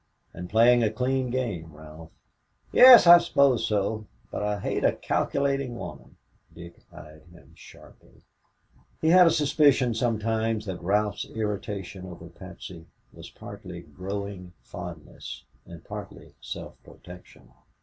"And playing a clean game, Ralph." "Yes, I suppose so, but I hate a calculating woman." Dick eyed him sharply. He had a suspicion sometimes that Ralph's irritation over Patsy was partly growing fondness and partly self protection.